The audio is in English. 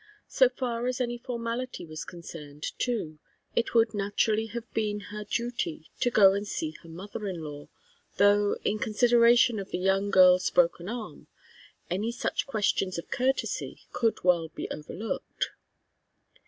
So far as any formality was concerned, too, it would naturally have been her duty to go and see her mother in law, though, in consideration of the young girl's broken arm, any such questions of courtesy could well be overlooked.